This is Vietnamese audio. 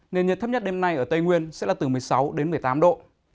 nền nhiệt thấp nhất đêm nay ở tây nguyên sẽ là từ một mươi sáu đến một mươi tám độ